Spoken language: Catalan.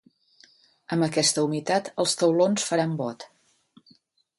Amb aquesta humitat els taulons faran bot.